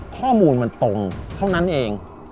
ข้อมูลมันตรงเท่านั้นเอง